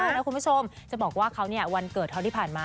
แล้วคุณผู้ชมจะบอกว่าเขาเนี่ยวันเกิดเขาที่ผ่านมา